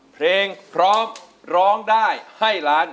เพลงพร้อมร้องได้ให้ล้าน